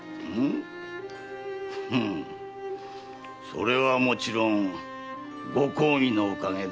それはもちろん御公儀のおかげだ。